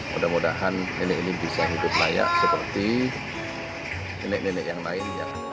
mudah mudahan nenek ini bisa hidup layak seperti nenek nenek yang lain